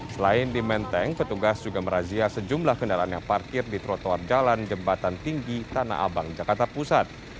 selain di menteng petugas juga merazia sejumlah kendaraan yang parkir di trotoar jalan jembatan tinggi tanah abang jakarta pusat